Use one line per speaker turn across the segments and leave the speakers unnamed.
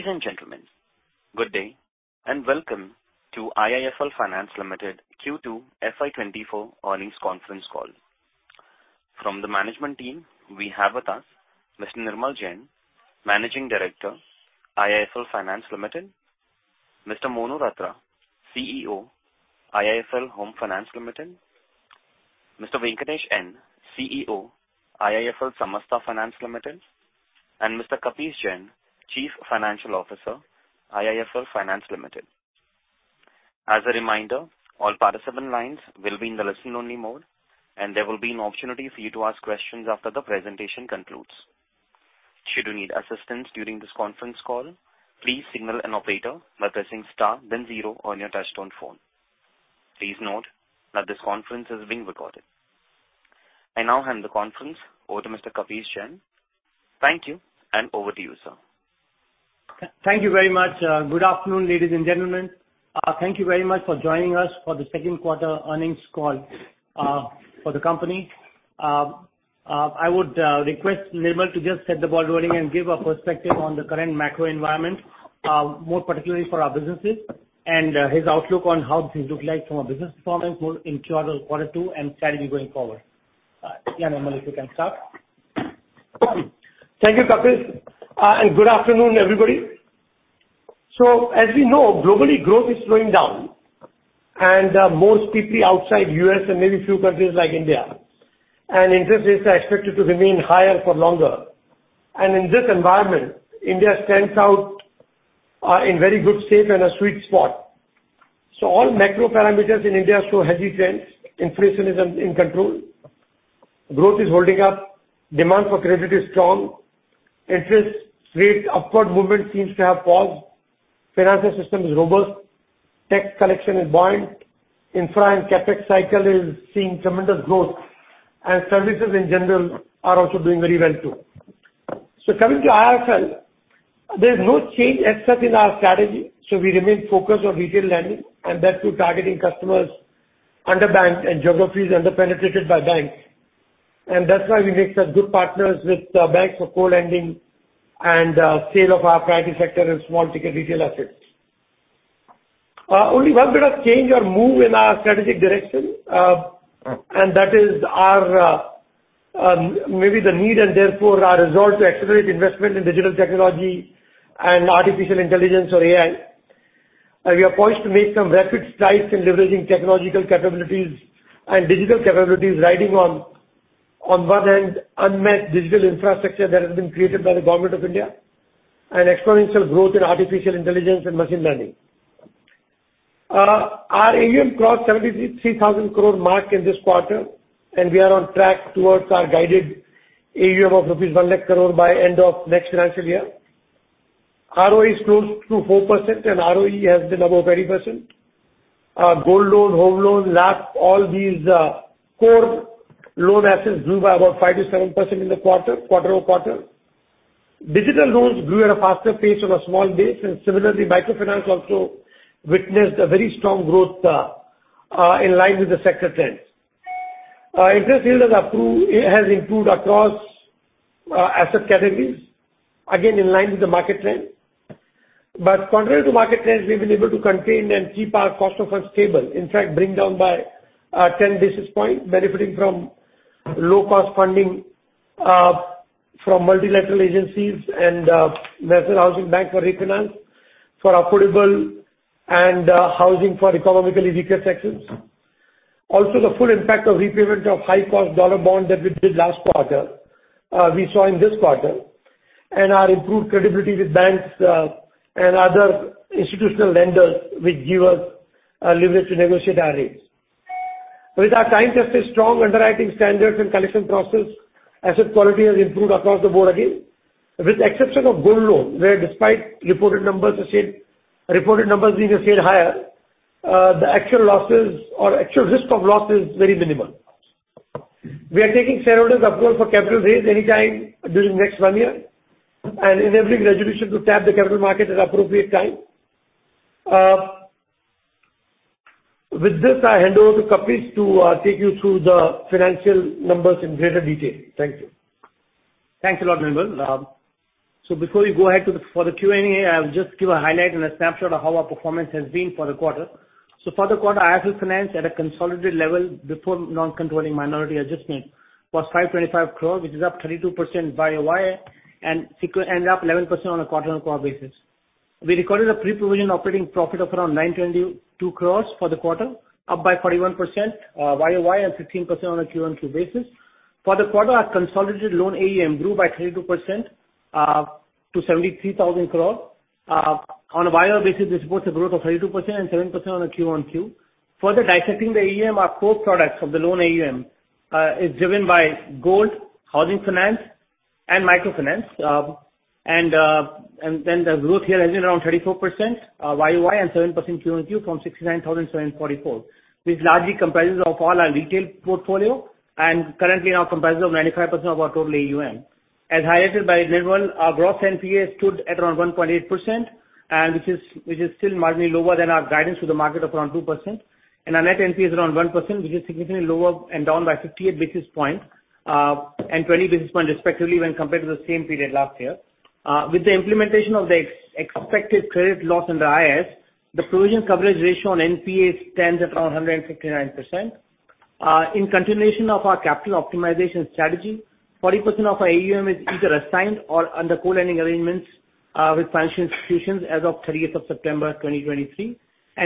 Ladies and gentlemen, good day, and welcome to IIFL Finance Limited Q2 FY 2024 earnings conference call. From the management team, we have with us Mr. Nirmal Jain, Managing Director, IIFL Finance Limited, Mr. Monu Ratra, CEO, IIFL Home Finance Limited, Mr. Venkatesh N., CEO, IIFL Samasta Finance Limited, and Mr. Kapish Jain, Chief Financial Officer, IIFL Finance Limited. As a reminder, all participant lines will be in the listen-only mode, and there will be an opportunity for you to ask questions after the presentation concludes. Should you need assistance during this conference call, please signal an operator by pressing star then zero on your touchtone phone. Please note that this conference is being recorded. I now hand the conference over to Mr. Kapish Jain. Thank you, and over to you, sir.
Thank you very much. Good afternoon, ladies and gentlemen. Thank you very much for joining us for the second quarter earnings call, for the company. I would request Nirmal to just set the ball rolling and give a perspective on the current macro environment, more particularly for our businesses, and his outlook on how things look like from a business performance in quarter two, and strategy going forward. Yeah, Nirmal, if you can start.
Thank you, Kapish, and good afternoon, everybody. So as we know, globally, growth is slowing down, and more steeply outside U.S. and maybe a few countries like India. Interest rates are expected to remain higher for longer. In this environment, India stands out in very good state and a sweet spot. So all macro parameters in India show healthy trends. Inflation is in control, growth is holding up, demand for credit is strong, interest rates upward movement seems to have paused, financial system is robust, tax collection is buoyant, infra and CapEx cycle is seeing tremendous growth, and services in general are also doing very well, too. So coming to IIFL, there's no change as such in our strategy, so we remain focused on retail lending, and that through targeting customers underbanked and geographies under-penetrated by banks. That's why we make some good partners with banks for co-lending and sale of our priority sector and small ticket retail assets. Only one bit of change or move in our strategic direction, and that is our maybe the need and therefore our resolve to accelerate investment in digital technology and artificial intelligence or AI. We are poised to make some rapid strides in leveraging technological capabilities and digital capabilities, riding on one hand, unmatched digital infrastructure that has been created by the Government of India, and exponential growth in artificial intelligence and machine learning. Our AUM crossed 73,000 crore mark in this quarter, and we are on track towards our guided AUM of rupees 100,000 crore by end of next financial year. ROA is close to 4%, and ROE has been above 30%. Gold loan, home loan, LAP and all these core loan assets grew by about 5%-7% in the quarter-over-quarter. Digital loans grew at a faster pace on a small base, and similarly, microfinance also witnessed a very strong growth in line with the sector trends. Interest yield has improved, it has improved across asset categories, again, in line with the market trend. But contrary to market trends, we've been able to contain and keep our cost of funds stable, in fact, bring down by 10 basis points, benefiting from low-cost funding from multilateral agencies and National Housing Bank for refinance for affordable and housing for economically weaker sections. Also, the full impact of repayment of high-cost dollar bond that we did last quarter, we saw in this quarter, and our improved credibility with banks, and other institutional lenders will give us, leverage to negotiate our rates. With our time-tested strong underwriting standards and collection process, asset quality has improved across the board again, with the exception of gold loan, where despite reported numbers, I said, reported numbers we just said higher, the actual losses or actual risk of loss is very minimal. We are taking shareholders' approval of course, for capital raise anytime during next one year, and enabling resolution to tap the capital market at appropriate time. With this, I hand over to Kapish to, take you through the financial numbers in greater detail. Thank you.
Thanks a lot, Nirmal. So before we go ahead to the, for the Q&A, I'll just give a highlight and a snapshot of how our performance has been for the quarter. So for the quarter, IIFL Finance at a consolidated level before non-controlling minority adjustment, was 525 crore, which is up 32% YoY, and up 11% on a quarter-on-quarter basis. We recorded a pre-provision operating profit of around 922 crore for the quarter, up by 41% YoY and 15% on a QoQ basis. For the quarter, our consolidated loan AUM grew by 32%, to 73,000 crore. On a YoY basis, this reports a growth of 32% and 7% on a QoQ. Further dissecting the AUM, our core products of the loan AUM is driven by gold, housing finance, and microfinance. And then the growth here has been around 34% YoY and 7% QoQ from 69,744, which largely comprises of all our retail portfolio and currently now comprises of 95% of our total AUM. As highlighted by Nirmal, our gross NPA stood at around 1.8% and which is still marginally lower than our guidance to the market of around 2%, and our net NPA is around 1%, which is significantly lower and down by 58 basis points and 20 basis points respectively when compared to the same period last year. With the implementation of the expected credit loss in the IIFL, the provision coverage ratio on NPA stands at around 159%. In continuation of our capital optimization strategy, 40% of our AUM is either assigned or under co-lending arrangements with financial institutions as of 30th of September 2023.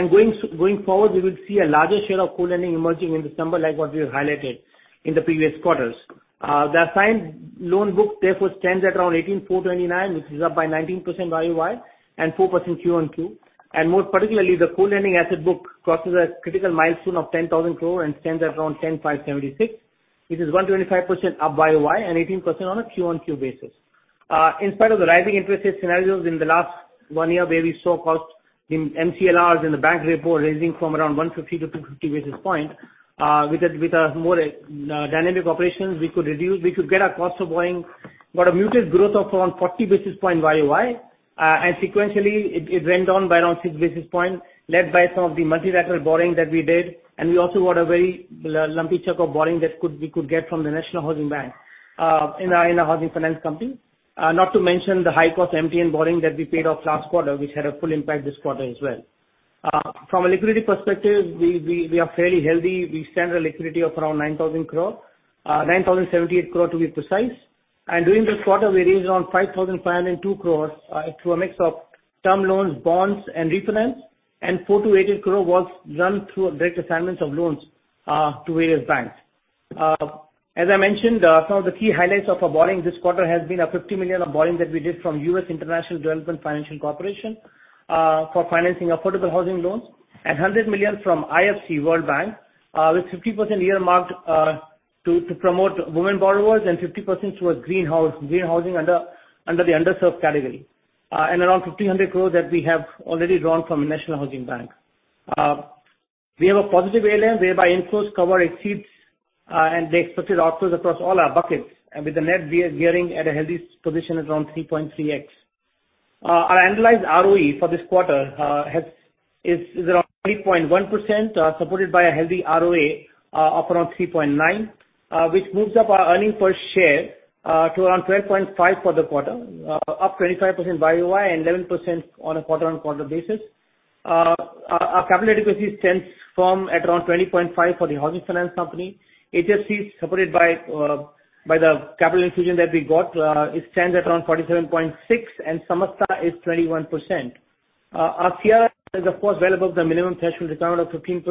Going forward, we will see a larger share of co-lending emerging in December, like what we have highlighted in the previous quarters. The assigned loan book therefore stands at around 18,429 crore, which is up by 19% YoY, and 4% QoQ. More particularly, the co-lending asset book crosses a critical milestone of 10,000 crore and stands at around 10,576 crore, which is 125% up YoY and 18% on a QoQ basis. In spite of the rising interest rate scenarios in the last one year, where we saw costs in MCLR in the bank repo rising from around 150 basis points-250 basis points, with a more dynamic operations, we could reduce, we could get our cost of borrowing, but a muted growth of around 40 basis points YoY. And sequentially, it went down by around 6 basis points, led by some of the multilateral borrowing that we did. And we also got a very lumpy chunk of borrowing that we could get from the National Housing Bank, in our Housing Finance company. Not to mention the high-cost MTN borrowing that we paid off last quarter, which had a full impact this quarter as well. From a liquidity perspective, we are fairly healthy. We stand a liquidity of around 9,000 crore, 9,078 crore, to be precise. And during this quarter, we raised around 5,552 crores, through a mix of term loans, bonds and refinance, and 428 crore was run through a direct assignments of loans, to various banks. As I mentioned, some of the key highlights of our borrowing this quarter has been a $50 million of borrowing that we did from U.S. International Development Finance Corporation, for financing affordable housing loans, and $100 million from IFC World Bank, with 50% earmarked, to promote women borrowers and 50% towards green housing under the underserved category. And around 1,500 crore that we have already drawn from National Housing Bank. We have a positive ALM, whereby inflows coverage exceeds and the expected outflows across all our buckets, and with the net gearing at a healthy position around 3.3x. Our annualized ROE for this quarter is around 3.1%, supported by a healthy ROA of around 3.9%, which moves up our earnings per share to around 12.5 for the quarter, up 25% YoY and 11% on a quarter-on-quarter basis. Our capital adequacy stands firm at around 20.5% for the Housing Finance company HFC, supported by the capital infusion that we got, it stands at around 47.6%, and Samasta is 21%. Our CRAR is, of course, well above the minimum threshold requirement of 15%,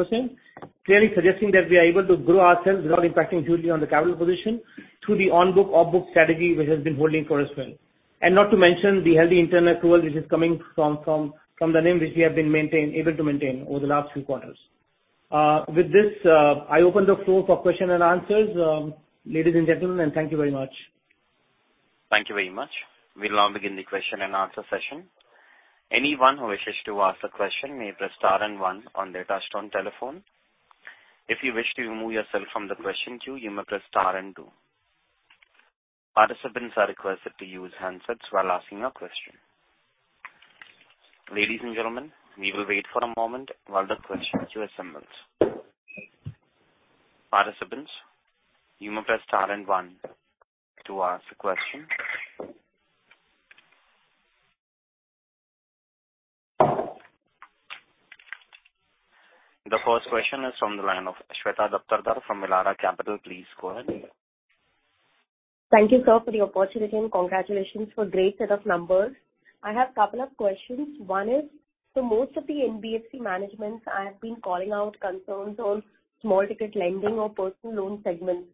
clearly suggesting that we are able to grow ourselves without impacting hugely on the capital position through the on-book, off-book strategy, which has been holding for us well. And not to mention, the healthy internal accrual, which is coming from the NIM, which we have been able to maintain over the last few quarters. With this, I open the floor for question and answers, ladies and gentlemen, and thank you very much.
Thank you very much. We'll now begin the question and answer session. Anyone who wishes to ask a question may press star and one on their touch-tone telephone. If you wish to remove yourself from the question queue, you may press star and two. Participants are requested to use handsets while asking a question. Ladies and gentlemen, we will wait for a moment while the question queue assembles. Participants, you may press star and one to ask a question. The first question is from the line of Shweta Daptardar from Elara Capital. Please go ahead.
Thank you, sir, for the opportunity, and congratulations for a great set of numbers. I have couple of questions. One is: so most of the NBFC managements have been calling out concerns on small ticket lending or personal loan segments.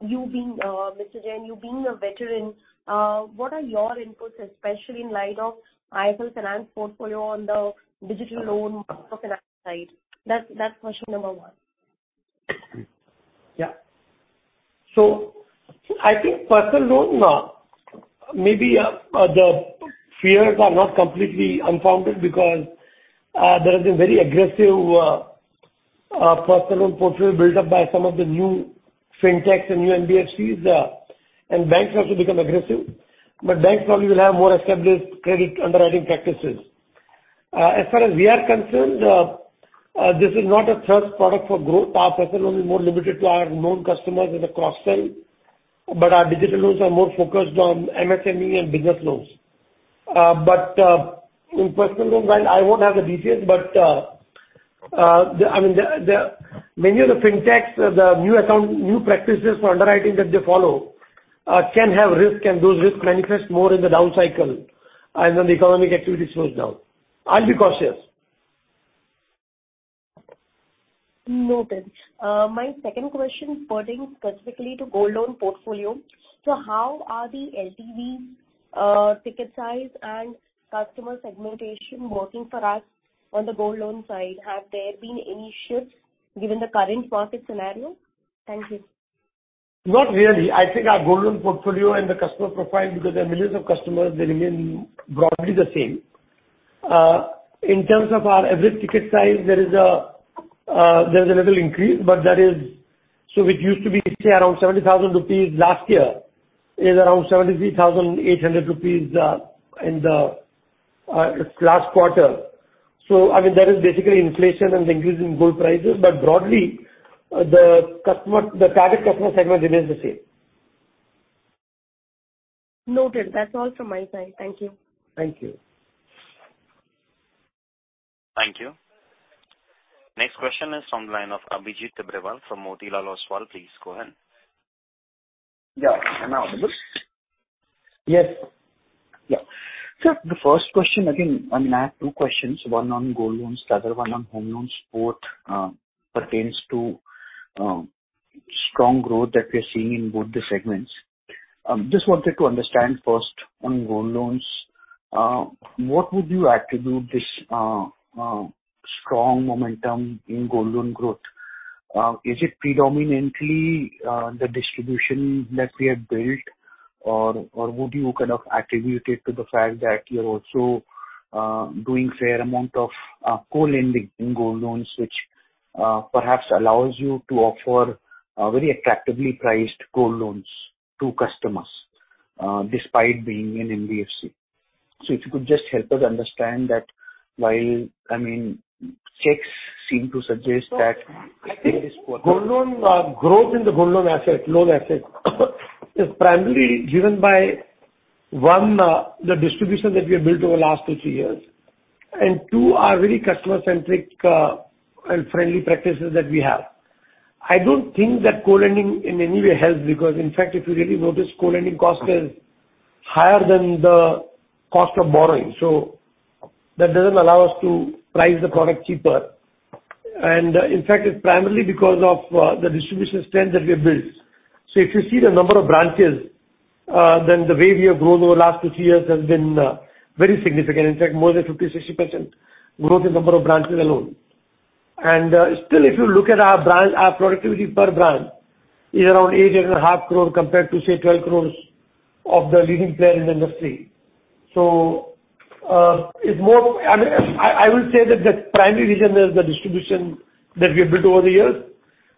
You being, Mr. Jain, you being a veteran, what are your inputs, especially in light of IIFL Finance portfolio on the digital loan side? That's, that's question number one.
Yeah. So I think personal loan, maybe, the fears are not completely unfounded because, there has been very aggressive, personal loan portfolio built up by some of the new fintechs and new NBFCs, and banks have also become aggressive. But banks probably will have more established credit underwriting practices. As far as we are concerned, this is not a thrust product for growth. Our personal loan is more limited to our known customers as a cross-sell, but our digital loans are more focused on MSME and business loans. But in personal loans, while I won't have the details, but, I mean, many of the fintechs, the new account, new practices for underwriting that they follow, can have risk, and those risks manifest more in the down cycle and when the economic activity slows down. I'll be cautious.
Noted. My second question pertaining specifically to gold loan portfolio. So how are the LTV, ticket size and customer segmentation working for us on the gold loan side? Have there been any shifts given the current market scenario? Thank you.
Not really. I think our gold loan portfolio and the customer profile, because there are millions of customers, they remain broadly the same. In terms of our average ticket size, there is a there's a little increase, but that is, so it used to be, say, around 70,000 rupees last year, is around 73,800 rupees in the last quarter. So I mean, that is basically inflation and the increase in gold prices. But broadly, the customer, the target customer segment remains the same.
Noted. That's all from my side. Thank you.
Thank you.
Thank you. Next question is from the line of Abhijit Tibrewal from Motilal Oswal. Please go ahead.
Yeah. Am I audible?
Yes.
Yeah. Sir, the first question again, I mean, I have two questions, one on gold loans, the other one on home loans. Both pertains to strong growth that we're seeing in both the segments. Just wanted to understand first on gold loans, what would you attribute this strong momentum in gold loan growth? Is it predominantly the distribution that we have built? Or would you kind of attribute it to the fact that you're also doing fair amount of co-lending in gold loans, which perhaps allows you to offer very attractively priced co-loans to customers despite being an NBFC? So if you could just help us understand that while, I mean, checks seem to suggest that gold loan, growth in the gold loan assets, loan assets, is primarily driven by, one, the distribution that we have built over the last two, three years, and two, our very customer-centric, and friendly practices that we have. I don't think that co-lending in any way helps, because in fact, if you really notice, co-lending cost is higher than the cost of borrowing, so that doesn't allow us to price the product cheaper. And in fact, it's primarily because of, the distribution strength that we have built. So if you see the number of branches, then the way we have grown over the last two, three years has been, very significant. In fact, more than 50%-60% growth in number of branches alone. Still, if you look at our branch, our productivity per branch is around 8.5 crore compared to, say, 12 crore of the leading player in the industry. So, it's more, I mean, I will say that the primary reason is the distribution that we have built over the years,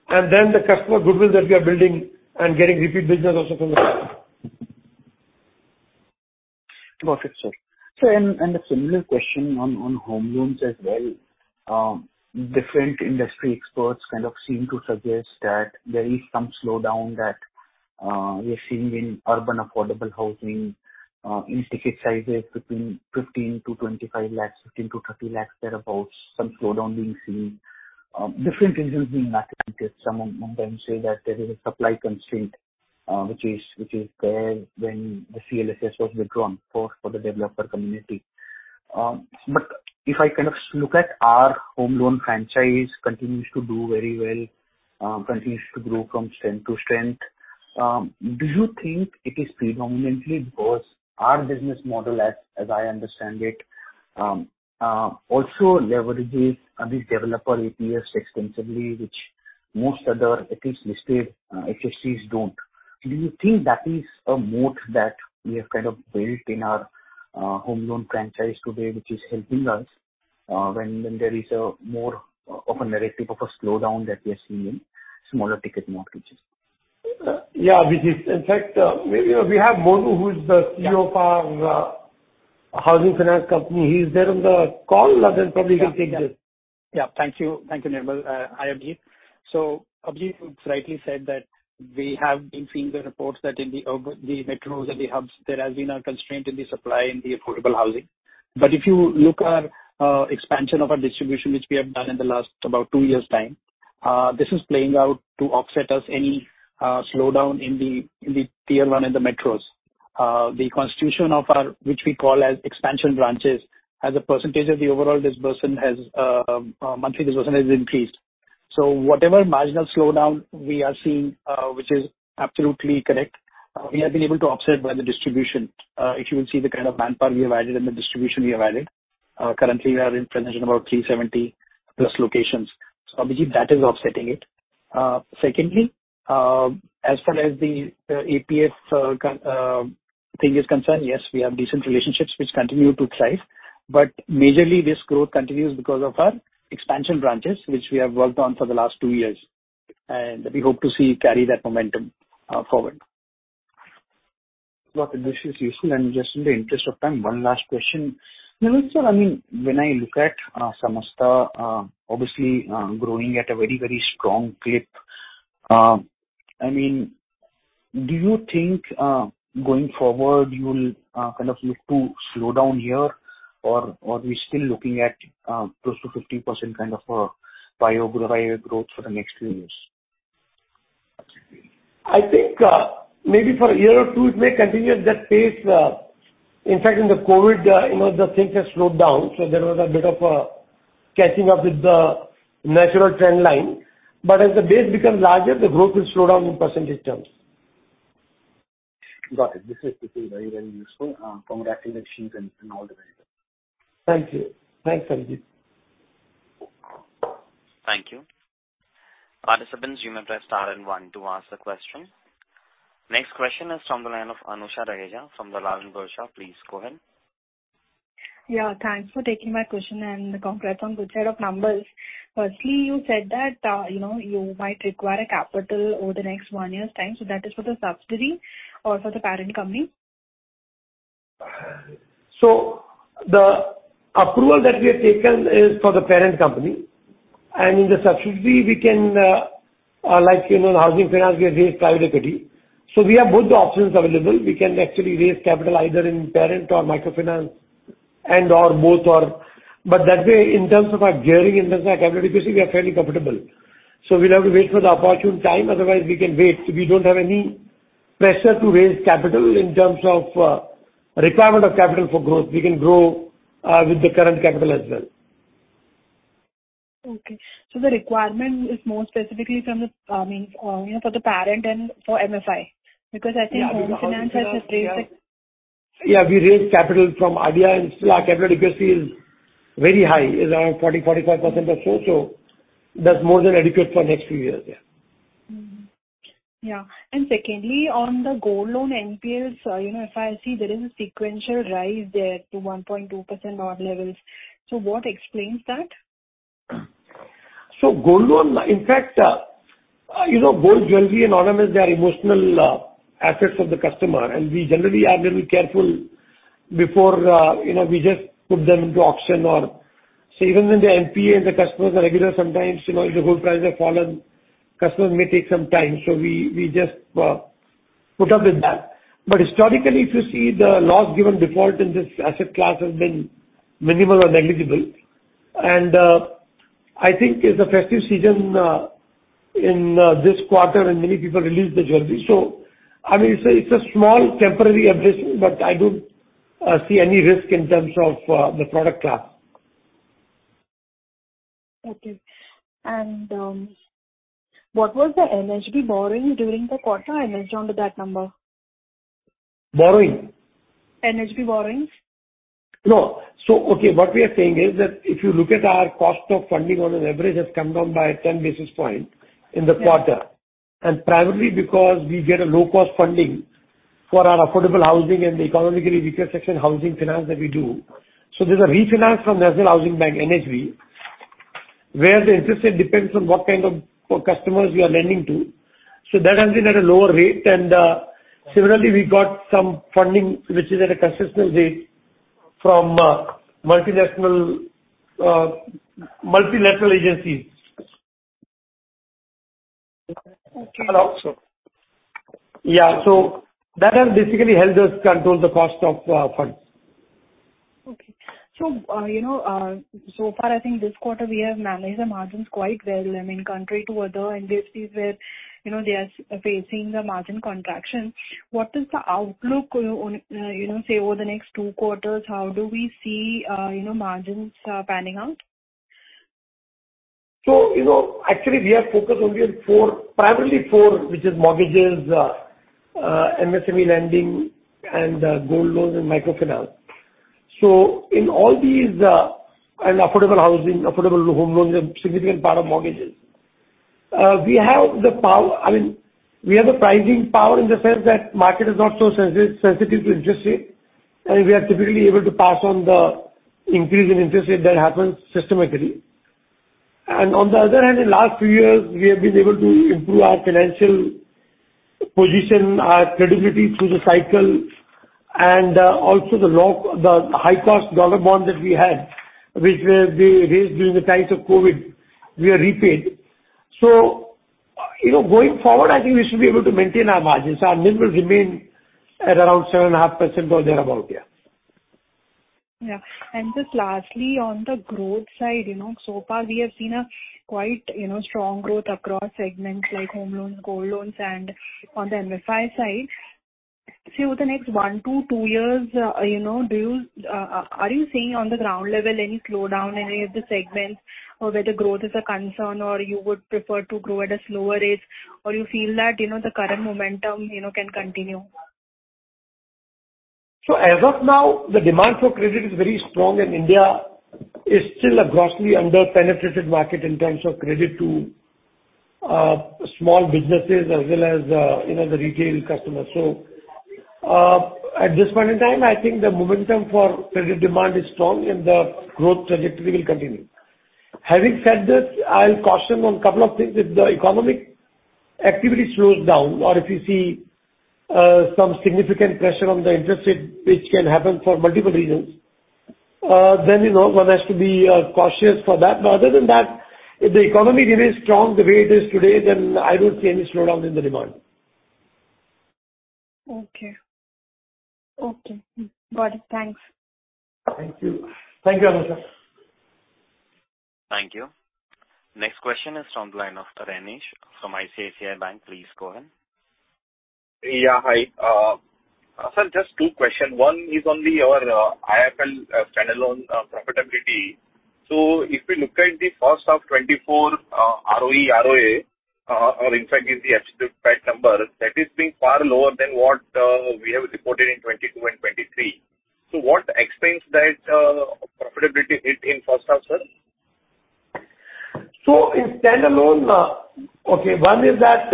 and then the customer goodwill that we are building and getting repeat business also from them. Got it, sir. A similar question on home loans as well. Different industry experts kind of seem to suggest that there is some slowdown that we are seeing in urban affordable housing, in ticket sizes between 15-25 lakhs, 15-30 lakhs, thereabout, some slowdown being seen. Different reasons being attributed. Some of them say that there is a supply constraint, which is there when the CLSS was withdrawn for the developer community. But if I kind of look at our home loan franchise continues to do very well, continues to grow from strength to strength, do you think it is predominantly because our business model, as I understand it, also leverages this developer APF extensively, which most other at least listed HFCs don't. Do you think that is a moat that we have kind of built in our home loan franchise today, which is helping us, when, when there is a more of a narrative of a slowdown that we are seeing in smaller ticket mortgages?
Yeah, this is in fact, we have Monu, who is the-
Yeah.
CEO of our Housing Finance company. He's there on the call, and he'll probably take this.
Yeah. Thank you. Thank you, Nirmal. Hi, Abhijit. So Abhijit, you rightly said that we have been seeing the reports that in the urban, the metros and the hubs, there has been a constraint in the supply in the affordable housing. But if you look at our expansion of our distribution, which we have done in the last about two years' time, this is playing out to offset us any slowdown in the Tier 1 and the metros. The constitution of our, which we call as expansion branches, as a percentage of the overall disbursement, has monthly disbursement has increased. So whatever marginal slowdown we are seeing, which is absolutely correct, we have been able to offset by the distribution. If you will see the kind of manpower we have added and the distribution we have added, currently we are in position about 370+ locations. So Abhijit, that is offsetting it. Secondly, as far as the APF thing is concerned, yes, we have decent relationships which continue to thrive. But majorly this growth continues because of our expansion branches, which we have worked on for the last two years, and we hope to see carry that momentum forward.
Got it. This is useful. And just in the interest of time, one last question. Nirmal sir, I mean, when I look at Samasta, obviously growing at a very, very strong clip, I mean, do you think going forward, you will kind of look to slow down here or we're still looking at close to 50% kind of YoY growth for the next few years?
I think, maybe for a year or two it may continue at that pace. In fact, in the COVID, you know, the things have slowed down, so there was a bit of catching up with the natural trend line. But as the base becomes larger, the growth will slow down in percentage terms.
Got it. This is actually very, very useful. Congratulations and, and all the very best.
Thank you. Thanks, Abhijit.
Thank you. Participants, you may press star and one to ask the question. Next question is from the line of Anusha Raheja from Dalal & Broacha. Please go ahead.
Yeah, thanks for taking my question, and congrats on good set of numbers. Firstly, you said that, you know, you might require a capital over the next one year's time. So that is for the subsidiary or for the parent company?
So the approval that we have taken is for the parent company, and in the subsidiary we can, like, you know, in Housing Finance, we have raised private equity. So we have both the options available. We can actually raise capital either in parent or microfinance and, or both or, but that way, in terms of our gearing, in terms of our capital efficiency, we are fairly comfortable. So we'll have to wait for the opportune time, otherwise we can wait. We don't have any pressure to raise capital in terms of, requirement of capital for growth. We can grow, with the current capital as well.
Okay. So the requirement is more specifically from the, means, you know, for the parent and for MFI? Because I think Home Finance has just raised it.
Yeah, we raised capital from IFC, and still our capital efficiency is very high, around 40%-45% or so, so that's more than adequate for next few years. Yeah.
Mm-hmm. Yeah. And secondly, on the gold loan [GNPA], you know, if I see there is a sequential rise there to 1.2% odd levels. So what explains that?
So Gold Loan, in fact, you know, gold jewelry and ornaments, they are emotional assets of the customer, and we generally are very careful before, you know, we just put them into auction or, so even in the NPA, and the customers are regular, sometimes, you know, if the gold prices have fallen, customers may take some time, so we, we just put up with that. But historically, if you see, the loss given default in this asset class has been minimal or negligible. And I think it's a festive season in this quarter, and many people release the jewelry. So I mean, it's a small temporary updrift, but I don't see any risk in terms of the product class.
Okay. And, what was the NHB borrowing during the quarter? I missed on to that number.
Borrowing?
NHB borrowings.
No. So, okay, what we are saying is that if you look at our cost of funding on an average, has come down by 10 basis points in the quarter.
Yeah.
Primarily because we get a low-cost funding for our affordable housing and the economically weaker section Housing Finance that we do. So there's a refinance from National Housing Bank, NHB, where the interest rate depends on what kind of customers we are lending to. So that has been at a lower rate. And, similarly, we got some funding, which is at a consistent rate from, multinational, multilateral agencies.
Okay.
And also, yeah, so that has basically helped us control the cost of funds.
Okay. So, you know, so far, I think this quarter we have managed the margins quite well. I mean, contrary to other industries where, you know, they are facing the margin contraction. What is the outlook on, you know, say, over the next two quarters? How do we see, you know, margins, panning out?
So, you know, actually, we are focused only on four, primarily four, which is mortgages, MSME lending and, gold loans and microfinance. So in all these, and affordable housing, affordable home loans are a significant part of mortgages. We have the power. I mean, we have the pricing power in the sense that market is not so sensitive to interest rate, and we are typically able to pass on the increase in interest rate that happens systematically. And on the other hand, in last few years, we have been able to improve our financial position, our credibility through the cycle, and, also the high-cost dollar bond that we had, which we raised during the height of COVID, we have repaid. So, you know, going forward, I think we should be able to maintain our margins. Our NIM will remain at around 7.5% or thereabout, yeah.
Yeah. And just lastly, on the growth side, you know, so far we have seen a quite, you know, strong growth across segments like home loans, gold loans, and on the MFI side. Say, over the next one to two years, you know, do you, are you seeing on the ground level any slowdown in any of the segments or where the growth is a concern, or you would prefer to grow at a slower rate? Or you feel that, you know, the current momentum, you know, can continue?
As of now, the demand for credit is very strong, and India is still a grossly under-penetrated market in terms of credit to small businesses as well as you know, the retail customers. So at this point in time, I think the momentum for credit demand is strong, and the growth trajectory will continue. Having said this, I'll caution on a couple of things. If the economic activity slows down or if you see some significant pressure on the interest rate, which can happen for multiple reasons, then you know, one has to be cautious for that. But other than that, if the economy remains strong the way it is today, then I don't see any slowdown in the demand.
Okay. Okay. Got it. Thanks.
Thank you. Thank you, Anusha.
Thank you. Next question is from the line of Renish from ICICI Bank. Please go ahead.
Yeah, hi. Sir, just two questions. One is on the, your IIFL standalone profitability. So if you look at the first half 2024 ROE, ROA, or in fact the absolute PAT number, that is being far lower than what we have reported in 2022 and 2023. So what explains that profitability hit in first half, sir?
So in standalone, okay, one is that,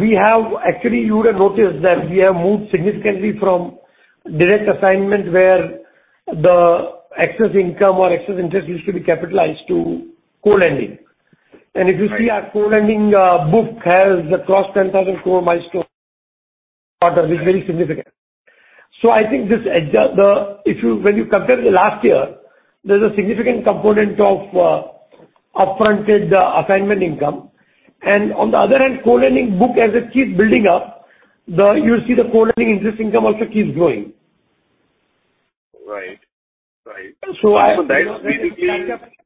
we have actually, you would have noticed that we have moved significantly from direct assignment where the excess income or excess interest used to be capitalized to co-lending. And if you see our co-lending book has crossed 10,000 crore milestone or this is very significant. So I think this adjusts the, if you, when you compare the last year, there's a significant component of, upfronted assignment income. And on the other hand, co-lending book, as it keeps building up, you'll see the co-lending interest income also keeps growing.
Right. Right.
So I-
So that's basically-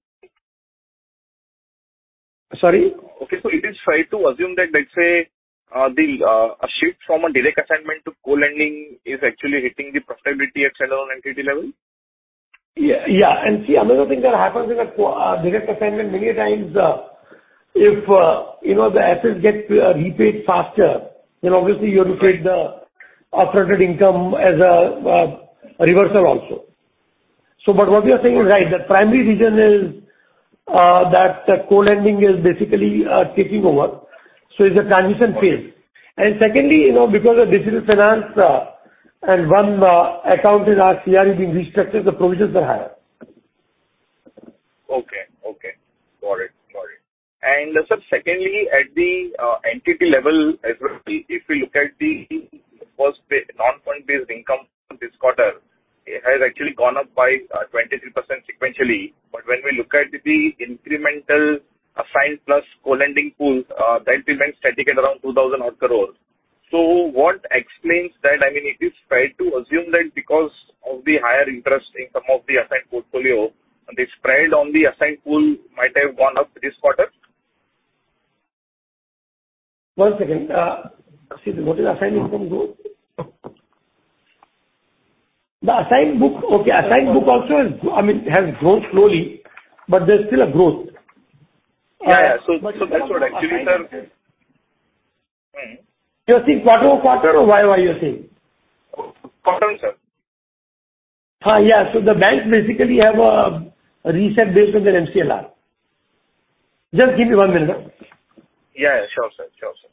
Sorry?
Okay, it is fair to assume that, let's say, a shift from a direct assignment to co-lending is actually hitting the profitability at standalone entity level?
Yeah, yeah. And see, another thing that happens in a co-lending direct assignment, many a times, if you know, the assets get repaid faster, then obviously you have to take the upfronted income as a reversal also. So but what you're saying is right, the primary reason is that the co-lending is basically taking over, so it's a transition phase. And secondly, you know, because of digital finance and one account in our CR has been restructured, the provisions are higher.
Okay, okay. Got it. Got it. And sir, secondly, at the entity level, as well, if we look at the first, the non-fund based income this quarter, it has actually gone up by 23% sequentially. But when we look at the incremental assigned plus co-lending pool, that remains static at around 2,000 crore. So what explains that? I mean, it is fair to assume that because of the higher interest income of the assigned portfolio, the spread on the assigned pool might have gone up this quarter?
One second. See, what is assigned income growth? The assigned book, okay, assigned book also is, I mean, has grown slowly, but there's still a growth.
Yeah, yeah. So, so that's what actually, sir... Mm-hmm.
You're seeing QoQ or YoY you are saying?
Quarter, sir.
Yeah. The banks basically have a reset based on their MCLR. Just give me one minute.
Yeah, yeah. Sure, sir. Sure, sir.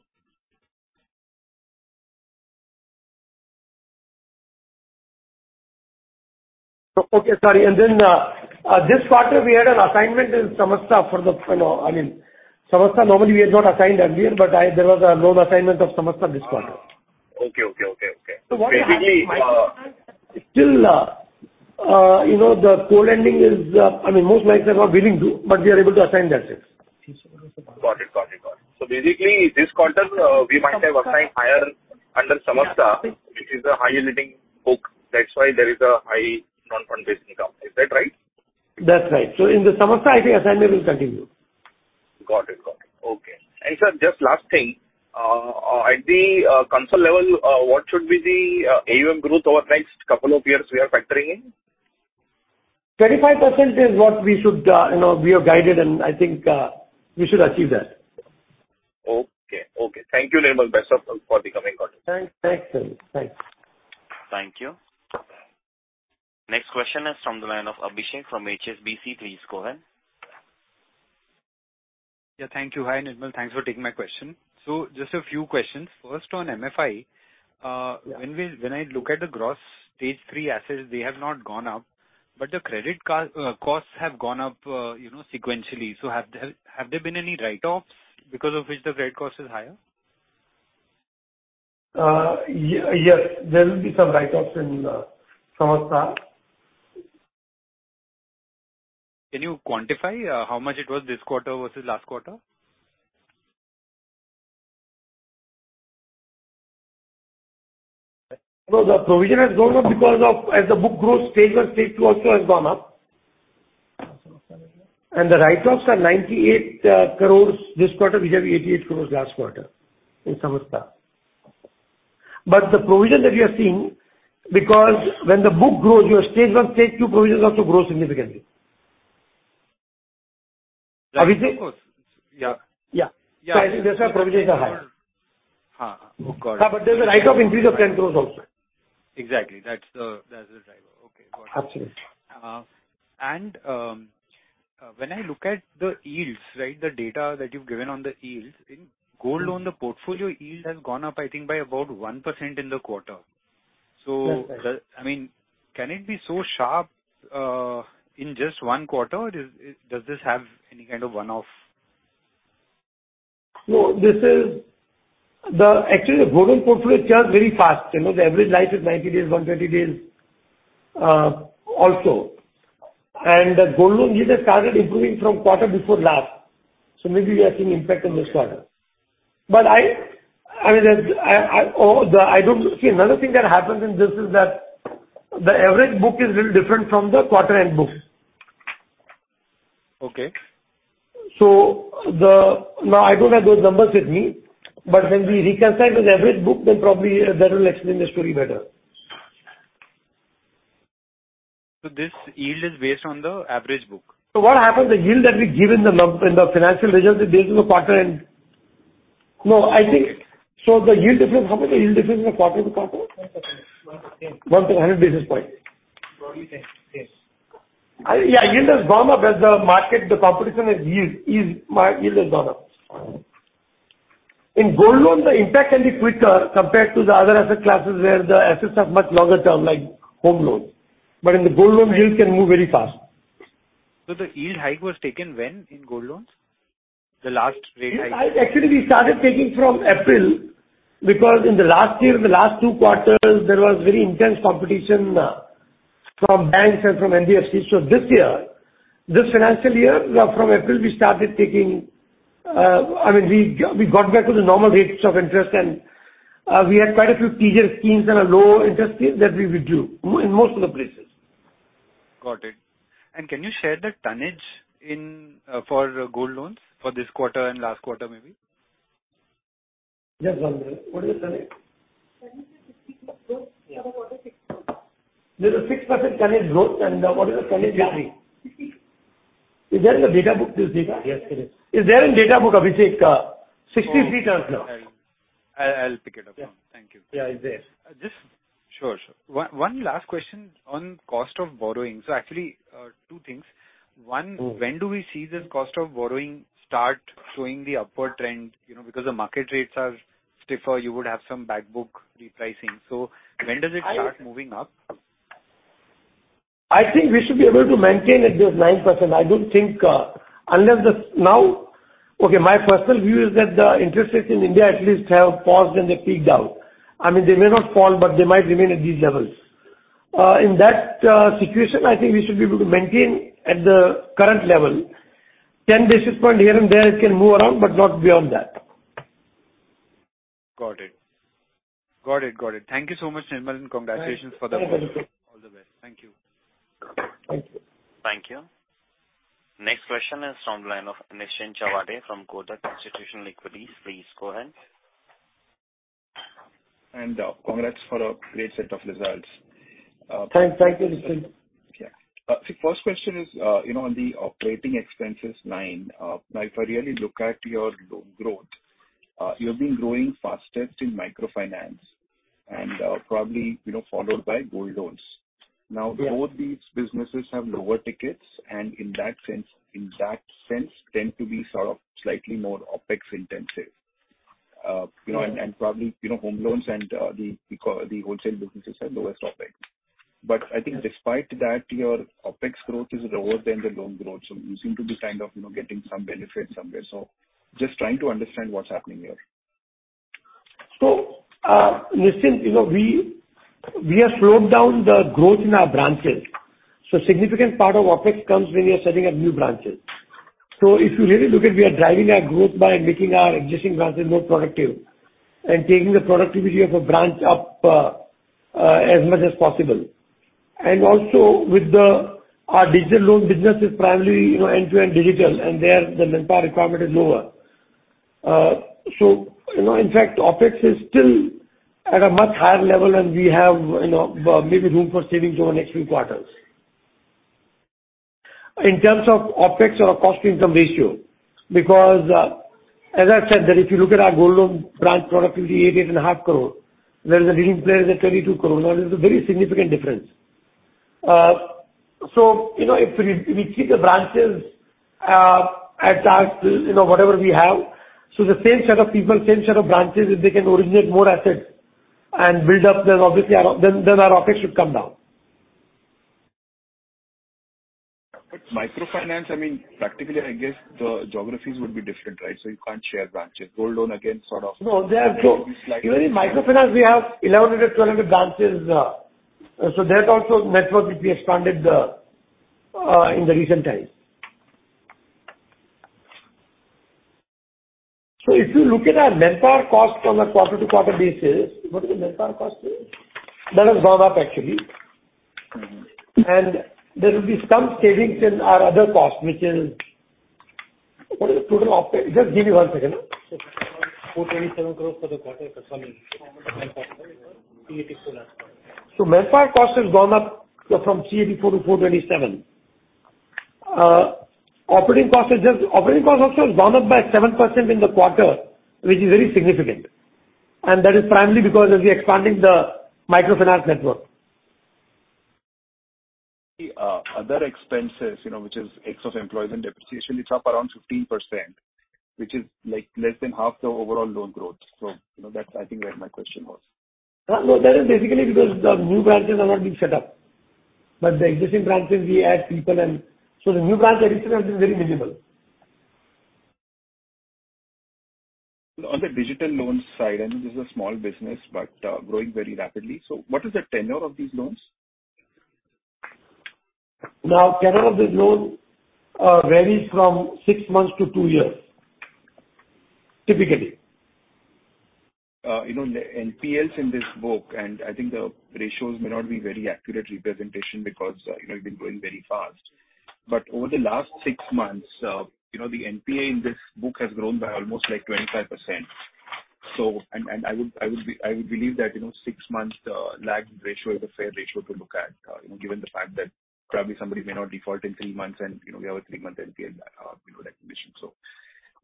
Okay, sorry. And then, this quarter, we had an assignment in Samasta for the, you know, I mean, Samasta normally we are not assigned earlier, but I, there was a loan assignment of Samasta this quarter.
Okay, okay, okay, okay.
Basically, still, you know, the co-lending is, I mean, most likely are willing to, but we are able to assign that, Renish.
Got it. Got it, got it. So basically, this quarter, we might have assigned higher under Samasta, which is the higher yielding book. That's why there is a high non-fund based income. Is that right?
That's right. So in the Samasta, I think assignment will continue.
Got it. Got it. Okay. And sir, just last thing, at the consolidated level, what should be the AUM growth over next couple of years we are factoring in?
25% is what we should, you know, we have guided, and I think we should achieve that.
Okay. Okay. Thank you, Nirmal. Best of for the coming quarter.
Thanks. Thanks, sir. Thanks.
Thank you. Next question is from the line of Abhishek from HSBC. Please go ahead.
Yeah, thank you. Hi, Nirmal, thanks for taking my question. So just a few questions. First, on MFI,
Yeah.
When I look at the gross stage three assets, they have not gone up, but the credit costs have gone up, you know, sequentially. So have there been any write-offs because of which the credit cost is higher?
Yes, there will be some write-offs in Samasta.
Can you quantify, how much it was this quarter versus last quarter?
No, the provision has gone up because of as the book grows, stage one, stage two also has gone up. The write-offs are 98 crore this quarter, we have 88 crore last quarter in Samasta. The provision that we are seeing, because when the book grows, your stage one, stage two provisions also grow significantly.
Right, of course.
Yeah.
Yeah.
Yeah. So I think that's why provisions are higher.
Huh. Got it.
But there's a write-off increase of 10 crore also.
Exactly. That's the, that's the driver. Okay, got it.
Absolutely.
When I look at the yields, right, the data that you've given on the yields, in gold loan, the portfolio yield has gone up, I think, by about 1% in the quarter.
That's right.
I mean, can it be so sharp in just one quarter, or is, does this have any kind of one-off?
No, actually, the Gold Loan portfolio churns very fast. You know, the average life is 90 days, 120 days, also. And the gold loan yields has started improving from quarter before last, so maybe we are seeing impact in this quarter. But I mean, as I don't see, another thing that happens in this is that the average book is little different from the quarter-end book.
Okay.
Now, I don't have those numbers with me, but when we reconcile with average book, then probably, that will explain the story better.
This yield is based on the average book?
So what happens, the yield that we give in the financial results, it deals with the quarter end. No, I think, so the yield difference, how much the yield difference in the quarter-to-quarter?
10%. 1 basis points.-10 basis points.
1 basis points.-100 basis points.
Probably 10 basis points, yes.
Yeah, yield has gone up as the market, the competition is yield, my yield has gone up. In gold loans, the impact can be quicker compared to the other asset classes, where the assets have much longer term, like home loans. But in the gold loan, yield can move very fast.
So the yield hike was taken when in gold loans? The last rate hike.
Actually, we started taking from April, because in the last year, the last two quarters, there was very intense competition from banks and from NBFC. So this year, this financial year, from April, we started taking. I mean, we got back to the normal rates of interest, and we had quite a few teaser schemes and a low interest scheme that we drew in most of the places.
Got it. And can you share the tonnage in for gold loans for this quarter and last quarter, maybe?
Just one minute. What is the tonnage?
Tonnage is 60% growth, quarter 6% growth.
There's a 6% tonnage growth, and what is the tonnage actually?
Sixty.
Is there, in the data book, this data?
Yes, it is.
Is there in data book, Abhishek, 60% or no?
I'll pick it up.
Yeah.
Thank you.
Yeah, it's there.
Sure, sure. One last question on cost of borrowing. So actually, two things. One-
Mm.
When do we see this cost of borrowing start showing the upward trend? You know, because the market rates are stiffer, you would have some back book repricing. So when does it start moving up?
I think we should be able to maintain it at just 9%. I don't think, unless the, now, okay, my personal view is that the interest rates in India at least have paused, and they peaked out. I mean, they may not fall, but they might remain at these levels. In that situation, I think we should be able to maintain at the current level. 10 basis points here and there, it can move around, but not beyond that.
Got it. Got it, got it. Thank you so much, Nirmal, and congratulations for the work.
Thank you.
All the best. Thank you.
Thank you.
Thank you. Next question is from the line of Nischint Chawathe from Kotak Institutional Equities. Please go ahead.
And, congrats for a great set of results,
Thanks. Thank you, Nischint.
Yeah. The first question is, you know, on the operating expenses, 9%. Now, if I really look at your loan growth, you have been growing fastest in microfinance and, probably, you know, followed by gold loans.
Yes.
Now, both these businesses have lower tickets, and in that sense, in that sense, tend to be sort of slightly more OpEx intensive. You know-
Yes.
And probably, you know, home loans and the wholesale businesses have the lowest OpEx. But I think despite that, your OpEx growth is lower than the loan growth, so you seem to be kind of, you know, getting some benefit somewhere. So just trying to understand what's happening here.
So, Nischint, you know, we have slowed down the growth in our branches, so significant part of OpEx comes when you're setting up new branches. So if you really look at, we are driving our growth by making our existing branches more productive and taking the productivity of a branch up as much as possible. And also, with our digital loan business is primarily, you know, end-to-end digital, and there the manpower requirement is lower. So, you know, in fact, OpEx is still at a much higher level, and we have, you know, maybe room for savings over the next few quarters. In terms of OpEx or our cost-income ratio, because, as I said, that if you look at our gold loan branch productivity, 8.5 crore, there is a leading player at 22 crore. Now, there's a very significant difference. So you know, if we keep the branches as last, you know, whatever we have, so the same set of people, same set of branches, if they can originate more assets and build up, then obviously our OpEx should come down.
But microfinance, I mean, practically, I guess, the geographies would be different, right? So you can't share branches. Gold loan, again, sort of-
No, they are...
Slightly.
Even in microfinance, we have 1,100, 1,200 branches, so that's also network, which we expanded, in the recent times. So if you look at our manpower cost on a quarter-to-quarter basis, what is the manpower cost there? That has gone up, actually. And there will be some savings in our other costs, which is, what is the total OpEx? Just give me one second.
INR 427 crore for the quarter. Sorry, manpower, INR 384 last quarter.
Manpower cost has gone up from INR 384-INR 427. Operating cost also has gone up by 7% in the quarter, which is very significant. That is primarily because of the expanding the microfinance network.
The other expenses, you know, which is X of employees and depreciation, it's up around 15%, which is, like, less than half the overall loan growth. So, you know, that's I think where my question was.
No, that is basically because the new branches are not being set up, but the existing branches, we add people and, so the new branch addition has been very minimal.
On the digital loans side, I know this is a small business, but, growing very rapidly. So what is the tenure of these loans?
Now, tenure of the loan varies from six months to two years, typically.
You know, NPLs in this book, and I think the ratios may not be very accurate representation because, you know, you've been growing very fast. But over the last six months, you know, the NPL in this book has grown by almost, like, 25%. So, I would believe that, you know, six months lag ratio is a fair ratio to look at, you know, given the fact that probably somebody may not default in three months and, you know, we have a three-month NPL, you know, recognition. So,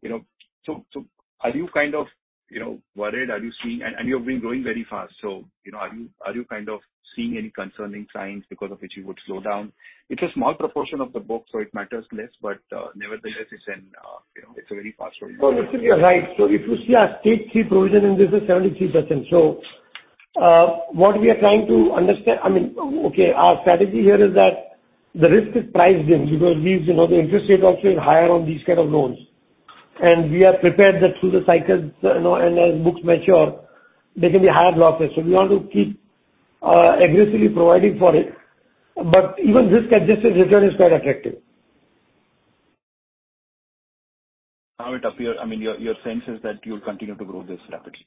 you know, so, so are you kind of, you know, worried? Are you seeing, and you have been growing very fast, so, you know, are you, are you kind of seeing any concerning signs because of which you would slow down? It's a small proportion of the book, so it matters less, but, nevertheless, it's an, you know, it's a very fast-growing-
No, Nischint, you're right. So if you see our stage three provision in this is 73%. So, what we are trying to understand, I mean, okay, our strategy here is that the risk is priced in because these, you know, the interest rate also is higher on these kind of loans. And we are prepared that through the cycles, you know, and as books mature, there can be higher losses. So we want to keep, aggressively providing for it, but even this adjusted return is quite attractive.
How it appear? I mean, your, your sense is that you'll continue to grow this rapidly.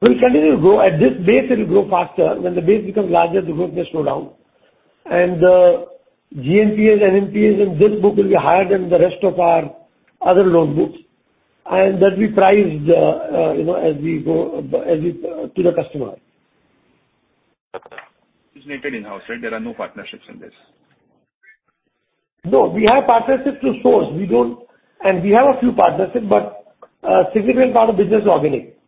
We'll continue to grow. At this base, it'll grow faster. When the base becomes larger, the growth may slow down. GNPA, NNPA, and this book will be higher than the rest of our other loan books, and that we priced, you know, as we go to the customer.
It's made in-house, right? There are no partnerships in this.
No, we have partnerships to source. We don't, and we have a few partnerships, but, significant part of business is organic.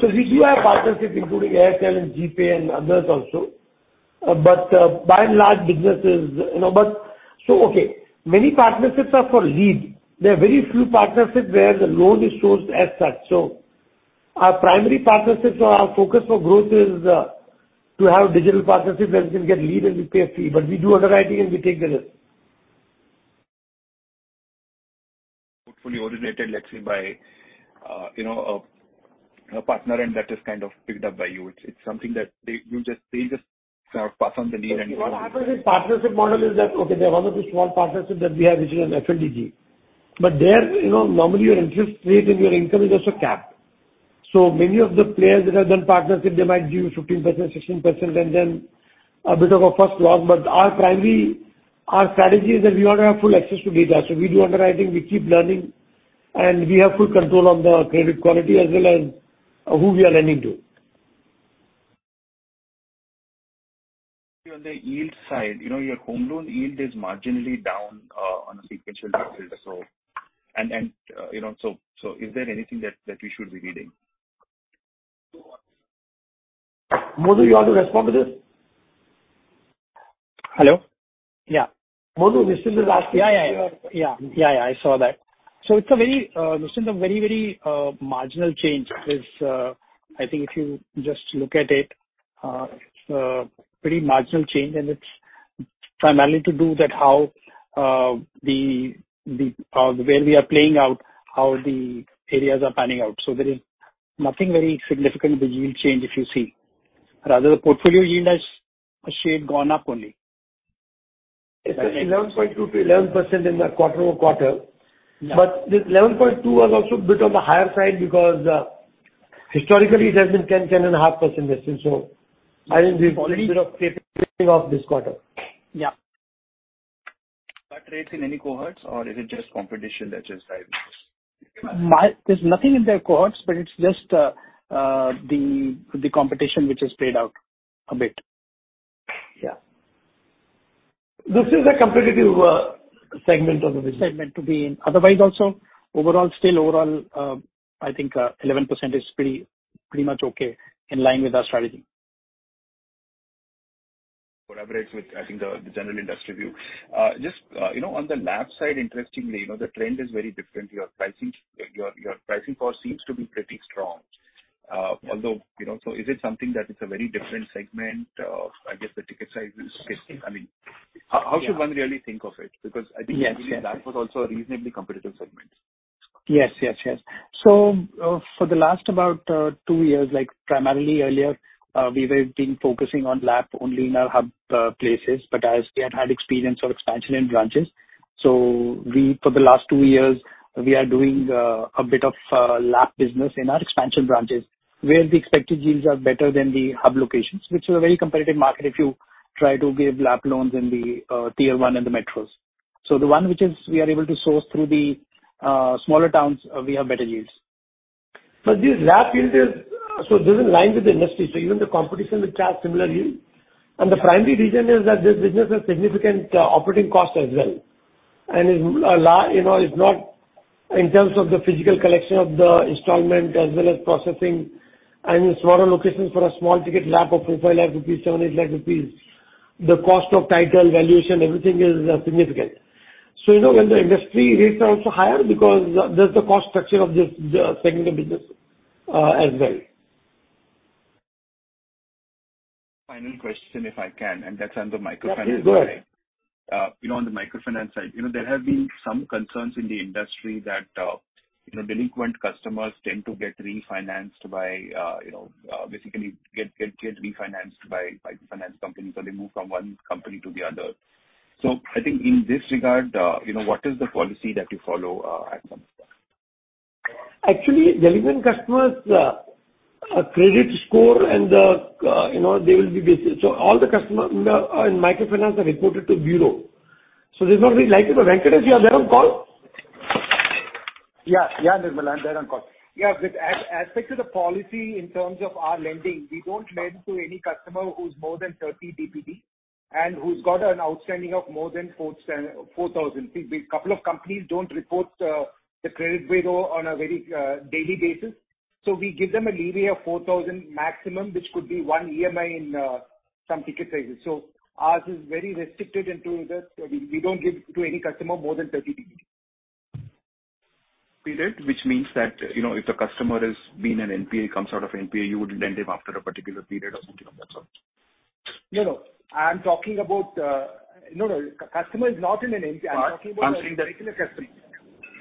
So we do have partnerships, including Airtel and GPay, and others also. But, by and large, businesses, you know, but, so, okay, many partnerships are for lead. There are very few partnerships where the loan is sourced as such. So our primary partnerships or our focus for growth is, to have digital partnerships where we can get lead and we pay a fee, but we do underwriting and we take the risk.
Fully originated, let's say, by, you know, a partner, and that is kind of picked up by you. It's something that they just pass on the lead and-
What happens is partnership model is that, okay, there are one or two small partnerships that we have, which is an FLDG. But there, you know, normally your interest rate and your income is also capped. So many of the players that have done partnership, they might give you 15%, 16%, and then a bit of a first loss. But our primary, our strategy is that we want to have full access to data. So we do underwriting, we keep learning, and we have full control of the credit quality as well as who we are lending to.
On the yield side, you know, your home loan yield is marginally down on a sequential basis. So, you know, so, is there anything that we should be reading?
Monu, you want to respond to this?
Hello?
Yeah. Monu, Nischint is asking-
Yeah, yeah. Yeah. Yeah, yeah, I saw that. So it's a very, Nischint, a very, very marginal change. It's, I think if you just look at it, it's a pretty marginal change, and it's primarily to do with how the areas are panning out. So there is nothing very significant with yield change if you see. Rather, the portfolio yield has a shade gone up only.
It's 11.2%-11% in the quarter-over-quarter.
Yeah.
But this 11.2% was also a bit on the higher side because, historically it has been 10%, 10.5%, Nischint, so I think we've been off this quarter.
Yeah.
Cut rates in any cohorts, or is it just competition that just driving this?
There's nothing in their cohorts, but it's just the competition which has played out a bit. Yeah.
This is a competitive segment of the business.
Segment to be in. Otherwise, also, overall, still overall, I think, 11% is pretty, pretty much okay, in line with our strategy.
It collaborates with, I think, the general industry view. Just, you know, on the LAP side, interestingly, you know, the trend is very different. Your pricing, your pricing power seems to be pretty strong. Although, you know, so is it something that is a very different segment? I guess the ticket size is, I mean, how should one really think of it? Because I think-
Yes, yes.
That was also a reasonably competitive segment.
Yes, yes, yes. So, for the last about two years, like primarily earlier, we were being focusing on LAP only in our hub places, but as we had had experience of expansion in branches. So we, for the last two years, we are doing a bit of LAP business in our expansion branches, where the expected yields are better than the hub locations, which is a very competitive market if you try to give LAP loans in the Tier 1 and the metros. So the one which is we are able to source through the smaller towns, we have better yields.
But this LAP yield is, so this is in line with the industry, so even the competition will charge similar yields. And the primary reason is that this business has significant, operating costs as well, and is a la... you know, it's not in terms of the physical collection of the installment as well as processing and in smaller locations for a small ticket LAP of 5 lakh rupees, 7-8 lakh rupees, the cost of title, valuation, everything is, significant. So, you know, when the industry rates are also higher because that's the cost structure of this, segment of business, as well.
Final question, if I can, and that's on the microfinance side.
Yes, go ahead.
You know, on the microfinance side, you know, there have been some concerns in the industry that delinquent customers tend to get refinanced by finance companies, or they move from one company to the other. So I think in this regard, you know, what is the policy that you follow at Samasta?
Actually, relevant customers, credit score and the, you know, they will be basic. So all the customers in the, in microfinance are reported to bureau, so there's nobody likely to rank it. Are you there on call?
Yeah. Yeah, Nirmal, I'm there on call. Yeah, with aspect of the policy in terms of our lending, we don't lend to any customer who's more than 30 DPD, and who's got an outstanding of more than 4,000. See, we, couple of companies don't report, the credit bureau on a very, daily basis, so we give them a leeway of 4,000 maximum, which could be one EMI in, some ticket sizes. So ours is very restricted into that. We don't give to any customer more than 30 DPD.
Period, which means that, you know, if the customer has been an NPA, comes out of NPA, you would lend him after a particular period of time, that's all?
No, no. I'm talking about, No, no. Customer is not in an NPA. I'm talking about-
I'm saying that-
-particular customer.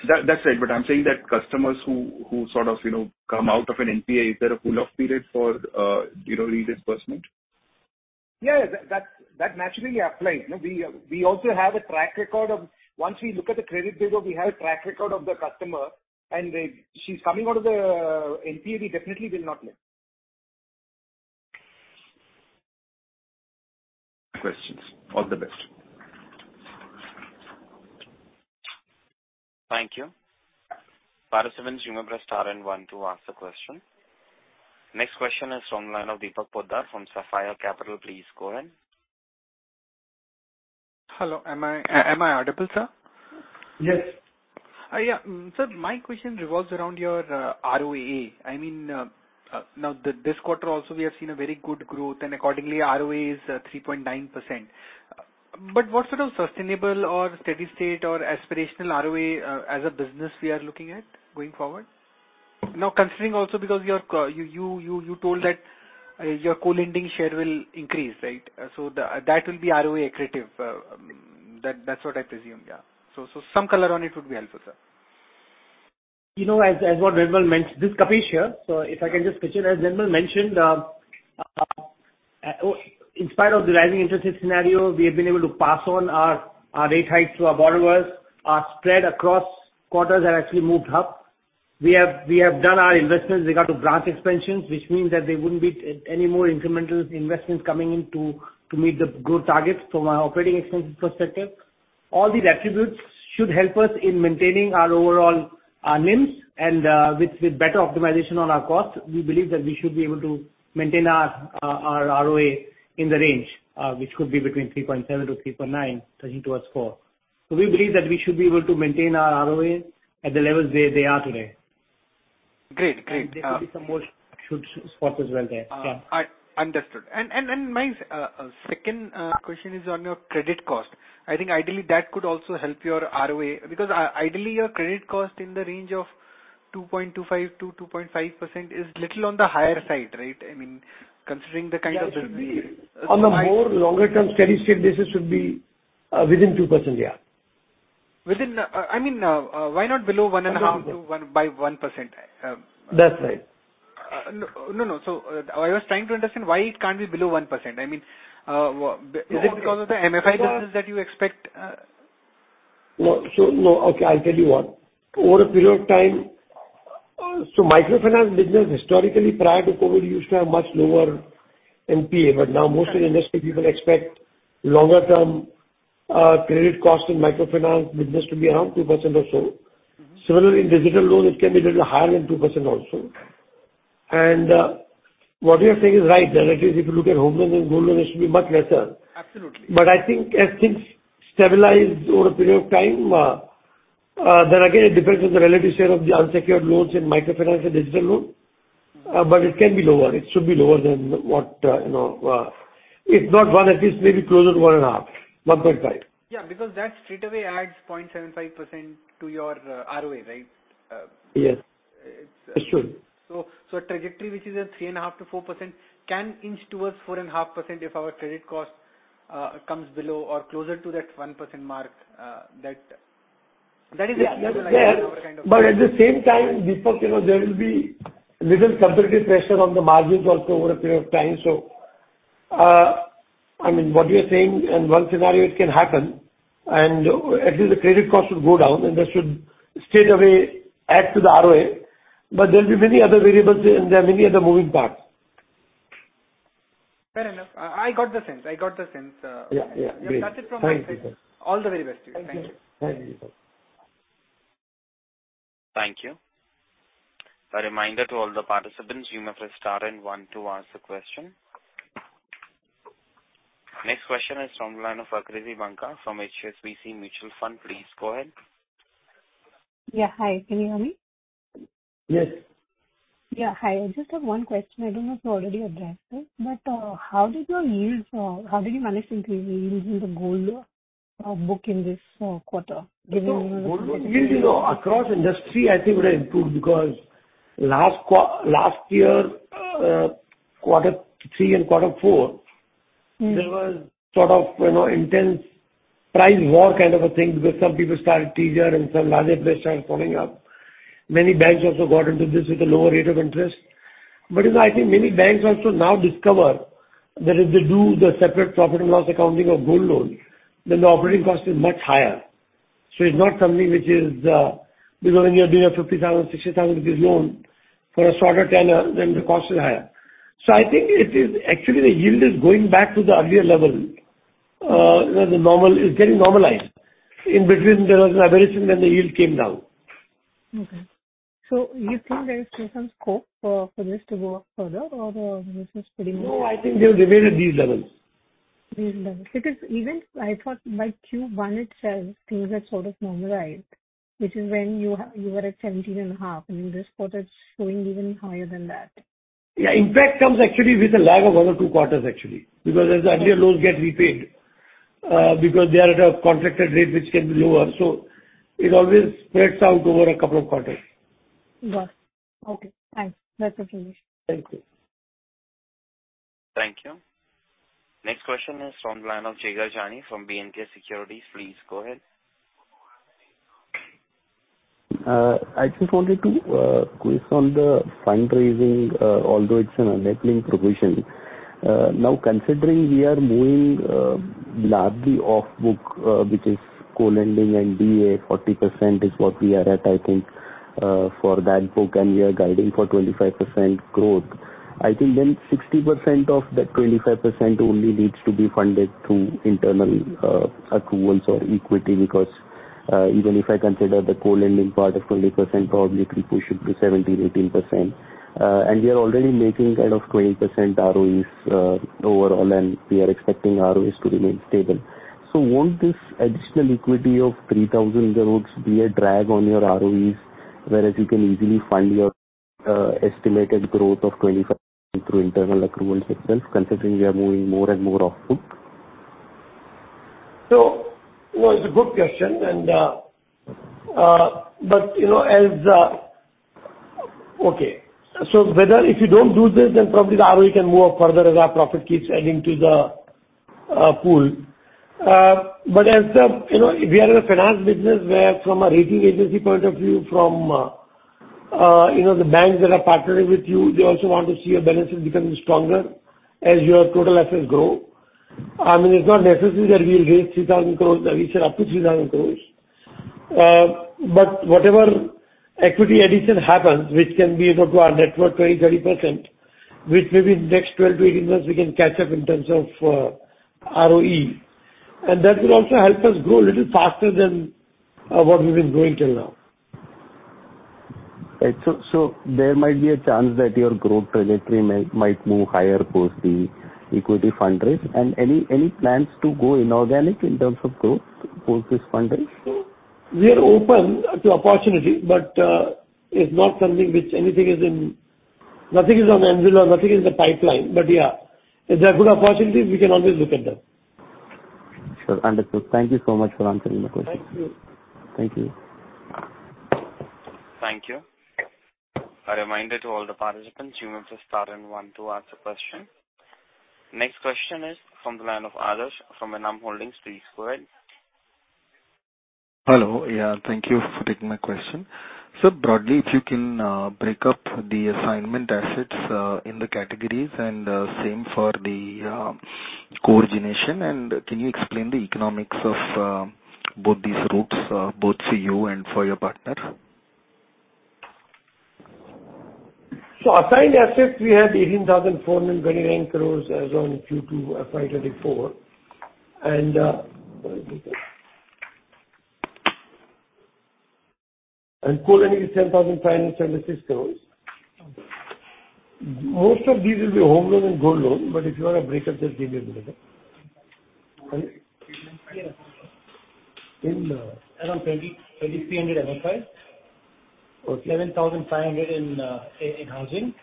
That, that's right, but I'm saying that customers who sort of, you know, come out of an NPA, is there a cool-off period for, you know, re-disbursement?
Yeah, that naturally applies. No, we also have a track record of once we look at the credit bureau, we have a track record of the customer, and if she's coming out of the NPA, we definitely will not lend.
Questions. All the best.
Thank you. Participants, you may press star and one to ask the question. Next question is from the line of Deepak Poddar from Sapphire Capital. Please go ahead.
Hello, am I audible, sir?
Yes.
Yeah. So my question revolves around your ROA. I mean, now this quarter also, we have seen a very good growth, and accordingly, ROA is 3.9%. But what sort of sustainable or steady state or aspirational ROA as a business we are looking at going forward? Now, considering also because you told that your co-lending share will increase, right? So that that's what I presume, yeah. So some color on it would be helpful, sir.
You know, as what Nirmal mentioned, this is Kapish here, so if I can just pitch in. As Nirmal mentioned, in spite of the rising interest rate scenario, we have been able to pass on our rate hikes to our borrowers. Our spread across quarters have actually moved up. We have done our investments regard to branch expansions, which means that there wouldn't be any more incremental investments coming in to meet the growth targets from our operating expenses perspective. All these attributes should help us in maintaining our overall, our NIMs, and with better optimization on our costs, we believe that we should be able to maintain our ROA in the range, which could be between 3.7%-3.9%, touching toward 4%. We believe that we should be able to maintain our ROA at the levels they are today.
Great. Great,
There will be some more shoulder spots as well there. Yeah.
I understood. And my second question is on your credit cost. I think ideally that could also help your ROA, because ideally, your credit cost in the range of 2.25%-2.5% is little on the higher side, right? I mean, considering the kind of the-
Yeah, it should be, on the more longer term, steady state basis, within 2%, yeah.
I mean, why not below 1.5%-1% by 1%?
That's right.
No, no, so I was trying to understand why it can't be below 1%. I mean, w-
Okay.
Is it because of the MFI business that you expect-
No. So, no. Okay, I'll tell you what. Over a period of time, so microfinance business historically prior to COVID used to have much lower NPA, but now most of the industry people expect longer-term credit cost in microfinance business to be around 2% or so.
Mm-hmm.
Similarly, in digital loan, it can be little higher than 2% also. And, what you're saying is right, that at least if you look at home loans and gold loans, it should be much lesser.
Absolutely.
But I think as things stabilize over a period of time, then again, it depends on the relative share of the unsecured loans in microfinance and digital loan. But it can be lower. It should be lower than what, you know, if not 1, at least maybe closer to 1.5%, 1.5%.
Yeah, because that straightaway adds 0.75% to your ROA, right?
Yes, it should.
So, so a trajectory which is at 3.5%-4% can inch towards 4.5% if our credit cost comes below or closer to that 1% mark, that, that is the-
Yeah, that's there.
-kind of-
But at the same time, Deepak, you know, there will be little competitive pressure on the margins also over a period of time. So, I mean, what you're saying, in one scenario, it can happen, and at least the credit cost should go down, and that should straightaway add to the ROA, but there will be many other variables, and there are many other moving parts.
Fair enough. I got the sense, I got the sense.
Yeah, yeah. Great.
That's it from my side.
Thank you, sir.
All the very best to you.
Thank you.
Thank you.
Thank you. A reminder to all the participants, you may press star and one to ask the question. Next question is from the line of Akriti Banka, from HSBC Mutual Fund. Please go ahead.
Yeah, hi. Can you hear me?
Yes.
Yeah, hi. I just have one question. I don't know if you already addressed it, but, how did your yields, how did you manage to increase yields in the gold book in this quarter? Giving-
You know, across industry, I think it would have improved because last quarter last year, quarter three and quarter four-
Mm.
There was sort of, you know, intense price war kind of a thing, where some people started teaser and some larger players started pouring up. Many banks also got into this with a lower rate of interest. But I think many banks also now discover that if they do the separate profit and loss accounting of gold loan, then the operating cost is much higher. So it's not something which is, because when you're doing a 50,000, 60,000 rupees loan for a shorter tenure, then the cost is higher. So I think it is actually the yield is going back to the earlier level, where the normal is getting normalized. In between, there was an aberration, then the yield came down.
Okay. So you think there is still some scope for this to go up further or, this is pretty much-
No, I think they will remain at these levels.
These levels. Because even I thought by Q1 itself, things had sort of normalized, which is when you were at 17.5%, and this quarter is showing even higher than that.
Yeah, impact comes actually with a lag of one or two quarters, actually, because as the earlier loans get repaid, because they are at a contracted rate, which can be lower. So it always spreads out over a couple of quarters.
Got it. Okay, thanks. That's okay.
Thank you.
Thank you. Next question is from the line of Jigar Jani, from B&K Securities. Please go ahead.
I just wanted to quiz on the fundraising, although it's an enabling provision. Now, considering we are moving largely off book, which is co-lending and DA, 40% is what we are at, I think, for that book, and we are guiding for 25% growth. I think then 60% of that 25% only needs to be funded through internal accruals or equity, because even if I consider the co-lending part of 20%, probably it will push it to 17%-18%. And we are already making kind of 20% ROEs overall, and we are expecting ROEs to remain stable. Won't this additional equity of 3,000 crore be a drag on your ROEs, whereas you can easily find your estimated growth of 25% through internal accruals itself, considering we are moving more and more off book?
So, well, it's a good question, and, but, you know, as, okay, so whether if you don't do this, then probably the ROE can move up further as our profit keeps adding to the pool. But as the, you know, we are in a finance business where from a rating agency point of view, from, you know, the banks that are partnering with you, they also want to see your balance sheet becoming stronger as your total assets grow. I mean, it's not necessary that we will raise 3,000 crore, I mean, say up to 3,000 crore. But whatever equity addition happens, which can be about 20%-30% to our net worth, which may be in the next 12-18 months, we can catch up in terms of ROE. That will also help us grow a little faster than what we've been growing till now.
Right. So there might be a chance that your growth trajectory might move higher post the equity fundraise. And any plans to go inorganic in terms of growth post this fundraise?
We are open to opportunities, but it's not something which anything is in, nothing is on the anvil or nothing is in the pipeline. But yeah, if there are good opportunities, we can always look at them.
Sure. Understood. Thank you so much for answering my question.
Thank you.
Thank you.
Thank you. A reminder to all the participants, you may press star and one to ask a question. Next question is from the line of Aarush, from [Enam] Holdings. Please go ahead.
Hello. Yeah, thank you for taking my question. So broadly, if you can break up the assignment assets in the categories and same for the co-origination. Can you explain the economics of both these routes, both for you and for your partner?
So, assigned assets, we had 18,429 crore as on Q2 of 2024. And, and co-lending is INR 10,576 crore.
Okay.
Most of these will be home loan and gold loan, but if you want a breakup, just give me a minute.
Yeah.
In, around INR 2,300 MFI. Okay. INR 7,500 in housing,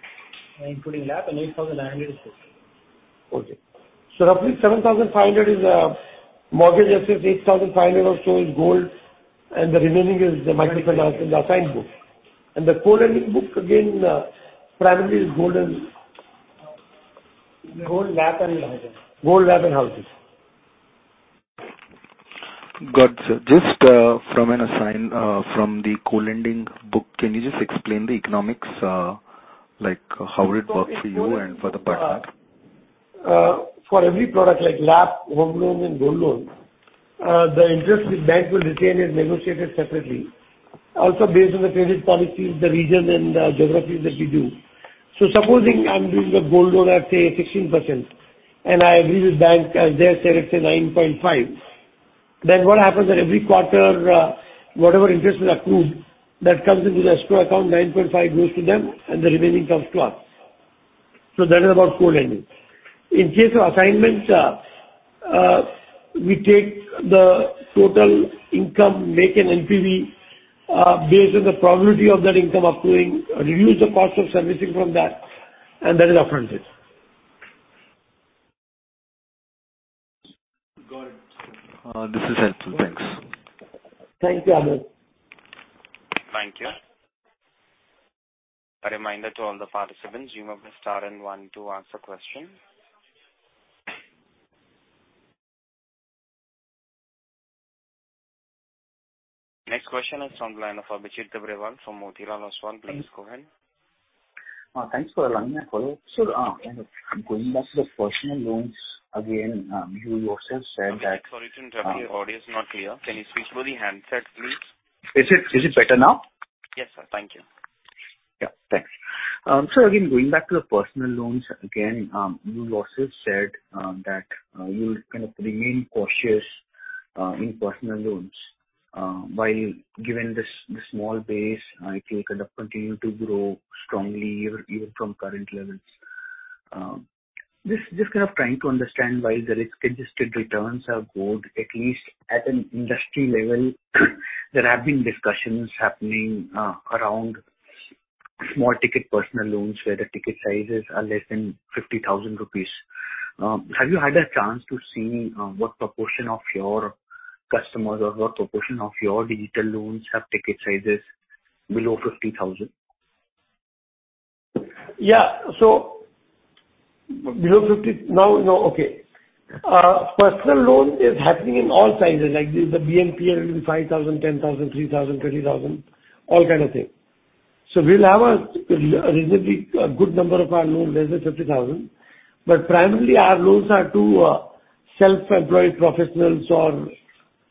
including LAP and INR 8,900 in gold. Okay. So roughly 7,500 is mortgage assets, 8,500 or so is gold, and the remaining is the microfinance in the assigned book. And the co-lending book, again, primarily is gold and gold, LAP, and houses. Gold, LAP, and houses.
Got it. Just from the co-lending book, can you just explain the economics, like how it works for you and for the partner?
For every product like LAP, home loan, and gold loan, the interest the bank will retain is negotiated separately. Also based on the credit policies, the region and geographies that we do. So supposing I'm doing a gold loan at, say, 16%, and I agree with bank, as they select, say, 9.5%, then what happens that every quarter, whatever interest is accrued, that comes into the escrow account, 9.5% goes to them, and the remaining comes to us. So that is about co-lending. In case of assignments, we take the total income, make an NPV, based on the probability of that income accruing, reduce the cost of servicing from that, and that is our front end. Got it.
This is helpful. Thanks.
Thank you, Aarush.
Thank you. A reminder to all the participants, you may press star and one to ask a question. Next question is from the line of Abhijit Tibrewal from Motilal Oswal. Please go ahead.
Thanks for allowing me follow. So, going back to the personal loans again, you yourself said that-
Sorry to interrupt you, your audio is not clear. Can you switch to the handset, please?
Is it better now?
Yes, sir. Thank you.
Yeah, thanks. So again, going back to the personal loans again, you also said, that, you will kind of remain cautious, in personal loans, while given this, the small base, it will kind of continue to grow strongly even, even from current levels. Just, just kind of trying to understand why the risk-adjusted returns are good, at least at an industry level. There have been discussions happening, around small ticket personal loans, where the ticket sizes are less than 50,000 rupees. Have you had a chance to see, what proportion of your customers or what proportion of your digital loans have ticket sizes below 50,000?
Yeah. So below 50, now, no. Okay. Personal loan is happening in all sizes, like the [BMP] is 5,000, 10,000, 3,000, 20,000, all kind of things. So we'll have a reasonably good number of our loans less than 50,000. But primarily our loans are to self-employed professionals or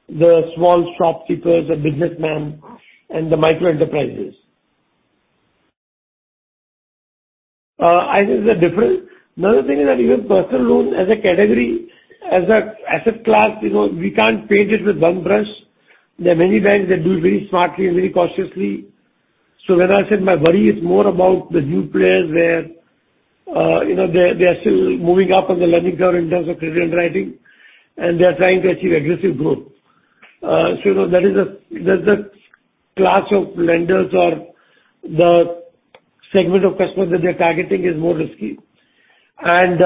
the small shopkeepers or businessmen and the micro-enterprises. I think they're different. Another thing is that even personal loan as a category, as a asset class, you know, we can't paint it with one brush. There are many banks that do it very smartly and very cautiously. So when I said my worry is more about the new players where, you know, they are still moving up on the learning curve in terms of credit underwriting, and they are trying to achieve aggressive growth. So, you know, that is a, that's a class of lenders or the segment of customers that they're targeting is more risky. And,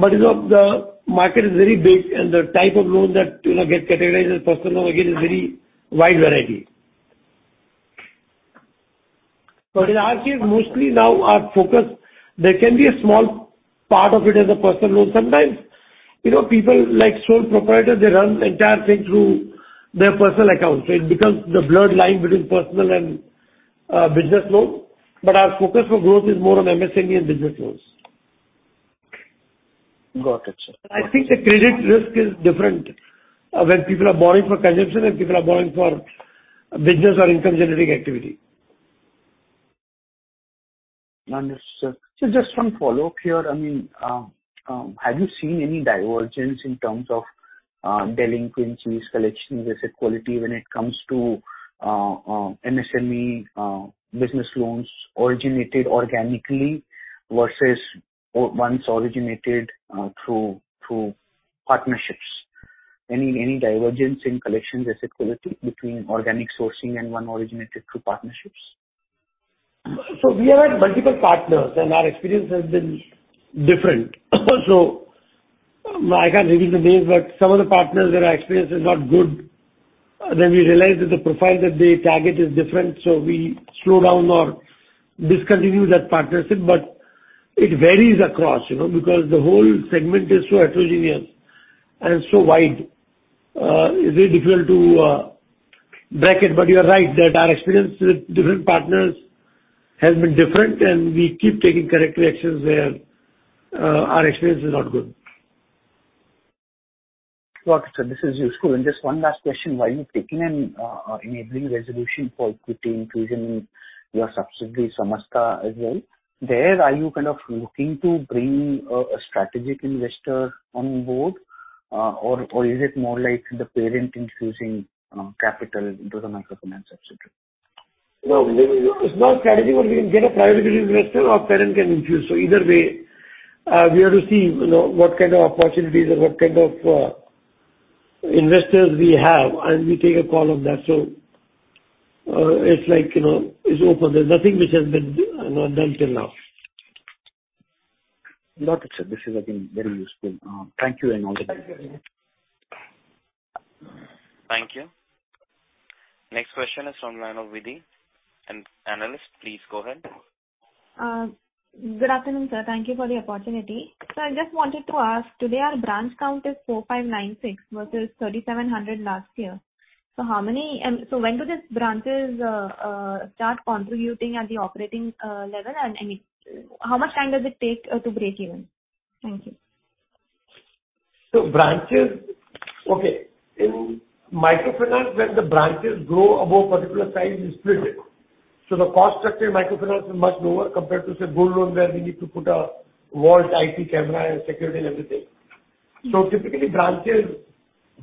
but, you know, the market is very big, and the type of loans that, you know, get categorized as personal loan, again, is very wide variety. But in our case, mostly now our focus, there can be a small part of it as a personal loan. Sometimes, you know, people like sole proprietors, they run the entire thing through their personal account, so it becomes the blurred line between personal and, business loan. But our focus for growth is more on MSME and business loans.
Got it, sir.
I think the credit risk is different when people are borrowing for consumption and people are borrowing for business or income-generating activity.
Understood. So just one follow-up here. I mean, have you seen any divergence in terms of delinquencies, collections, asset quality when it comes to MSME business loans originated organically versus ones originated through partnerships? Any divergence in collection asset quality between organic sourcing and ones originated through partnerships?
So we have had multiple partners and our experience has been different. So I can't reveal the names, but some of the partners, their experience is not good. Then we realized that the profile that they target is different, so we slow down or discontinue that partnership. But it varies across, you know, because the whole segment is so heterogeneous and so wide. It's very difficult to bracket, but you are right that our experience with different partners has been different, and we keep taking corrective actions where our experience is not good.
Got it, sir. This is useful. And just one last question. Why you've taken an enabling resolution for equity increase in your subsidiary, Samasta, as well? Are you kind of looking to bring a strategic investor on board, or is it more like the parent infusing capital into the microfinance subsidiary?
No, maybe it's not a strategy, where we can get a priority investor or parent can infuse. So either way, we are to see, you know, what kind of opportunities and what kind of investors we have, and we take a call on that. So, it's like, you know, it's open. There's nothing which has been done till now.
Got it, sir. This is, I think, very useful. Thank you and all the best.
Thank you. Next question is from the line of [Vidhi], an analyst. Please go ahead.
Good afternoon, sir. Thank you for the opportunity. So I just wanted to ask, today our branch count is 4,596 versus 3,700 last year. So when do these branches start contributing at the operating level and any, how much time does it take to break even? Thank you.
So branches, okay, in microfinance, when the branches grow above particular size, we split it. So the cost structure in microfinance is much lower compared to, say, gold loan, where we need to put a vault, IT, camera, and security and everything. So typically, branches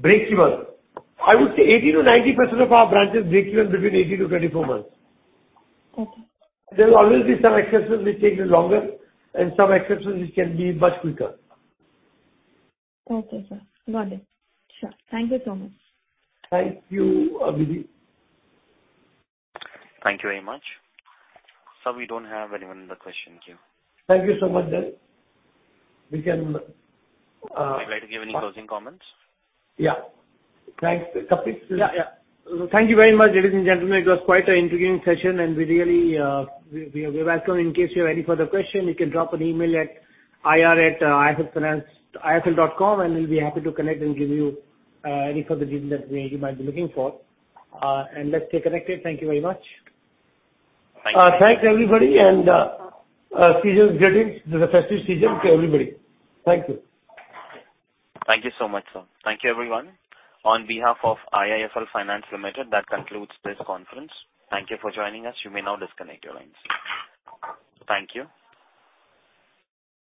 break even. I would say 80%-90% of our branches break even between 18-24 months.
Okay.
There will always be some exceptions which take longer, and some exceptions which can be much quicker.
Thank you, sir. Got it. Sure. Thank you so much.
Thank you, Vidi.
Thank you very much. Sir, we don't have anyone in the question queue.
Thank you so much then. We can,
Would you like to give any closing comments?
Yeah. Thanks, Kapish?
Yeah, yeah. Thank you very much, ladies and gentlemen. It was quite an intriguing session, and we really welcome in case you have any further question, you can drop an email at ir@iiflfinance.com, and we'll be happy to connect and give you any further detail that you might be looking for, and let's stay connected. Thank you very much.
Thank you.
Thanks, everybody, and season's greetings. This is a festive season to everybody. Thank you.
Thank you so much, sir. Thank you, everyone. On behalf of IIFL Finance Limited, that concludes this conference. Thank you for joining us. You may now disconnect your lines. Thank you.